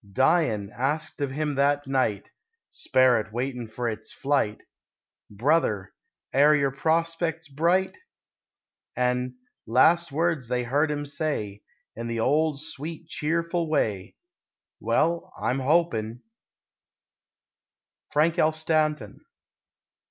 Dyin', asked of him that night (Sperrit waitin' fer its flight), "Brother, air yer prospec's bright?" An' last words they heard him say, In the ol', sweet, cheerful way "Well, I'm hopin'." _Frank L. Stanton.